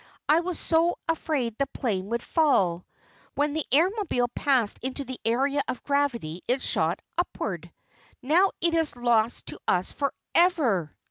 I was so afraid the plane would fall. When the Airmobile passed into the area of gravity it shot upward. Now it is lost to us forever."